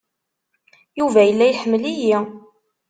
Yuba yella iḥemmel-iyi.